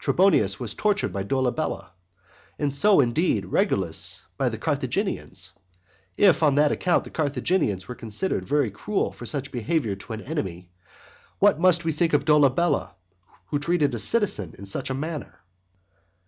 Trebonius was tortured by Dolabella, and so, indeed, was Regulus by the Carthaginians. If on that account the Carthaginians were considered very cruel for such behaviour to an enemy, what must we think of Dolabella, who treated a citizen in such a manner?